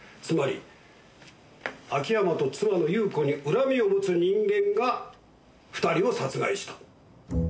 つまり秋山と妻の裕子に恨みを持つ人間が２人を殺害した。